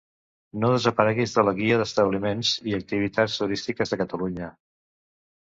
No desapareguis de la Guia d'establiments i activitats turístiques de Catalunya!